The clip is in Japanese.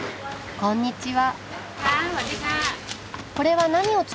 こんにちは。